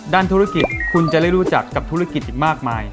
ด้านธุรกิจคุณจะได้รู้จักกับธุรกิจอีกมากมาย